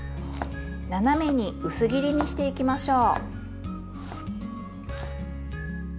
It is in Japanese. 斜めに薄切りにしていきましょう。